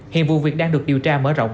hiện vụ việc đang được điều tra mở rộng